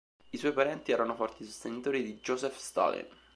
I suoi parenti erano forti sostenitori di Joseph Stalin.